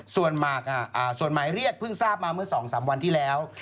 ส่วนหมายเรียกเพิ่งทราบมาเมื่อ๒๓วันที่แล้ว